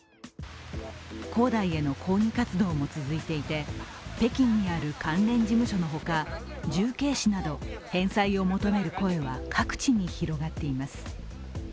恒大への抗議活動も続いていて北京にある関連事務所のほか重慶市など返済を求める声は各地に広がっています。